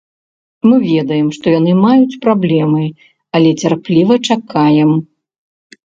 Мы ведаем, што яны маюць праблемы, але цярпліва чакаем.